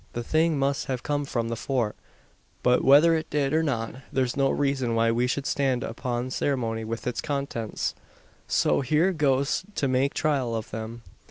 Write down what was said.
The thing must have come from the Fort; but whether it did, or not, there's no reason why we should stand upon ceremony with its contents. So, here goes to make trial of them!"